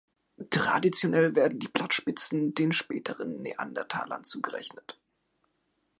Traditionell werden die Blattspitzen den späten Neandertalern zugerechnet.